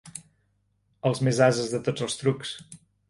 Els més ases de tots els trucs.